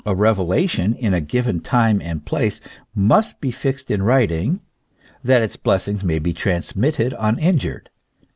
A revelation in a given time and place must be fixed in writing, that its blessings may be transmitted uninjured.